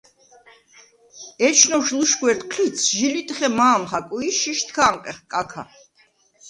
ეჩნოვშ ლუშგვერდ ჴიცს ჟი ლიტხე მა̄მ ხაკუ ი შიშდ ქ’ა̄ნყეხ კაქა.